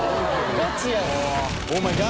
ガチやん。